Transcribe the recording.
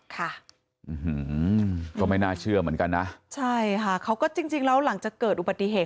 ค่ะก็ไม่น่าเชื่อเหมือนกันนะใช่ค่ะเขาก็จริงจริงแล้วหลังจากเกิดอุบัติเหตุ